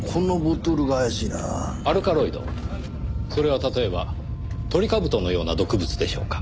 それは例えばトリカブトのような毒物でしょうか？